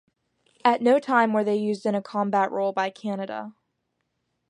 At no time were they used in a combat role by Canada.